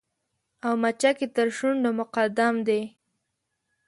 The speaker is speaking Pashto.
او مچکې تر شونډو مقدم دې